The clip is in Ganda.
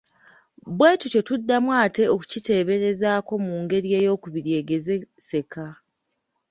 Bwe tutyo tuddamu ate okukiteeberezaako mu ngeri eyookubiri egezeseka.